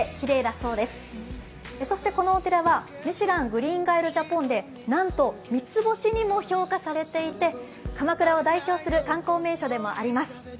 そして、このお寺は「ミシュラン・グリーンガイド・ジャポン」でなんと三つ星にも評価されていて鎌倉を代表する観光名所でもあります。